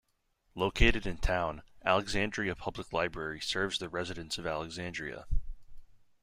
Located in town, Alexandria Public Library serves the residents of Alexandria.